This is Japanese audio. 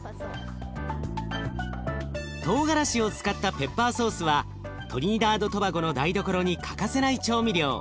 トウガラシを使ったペッパーソースはトリニダード・トバゴの台所に欠かせない調味料。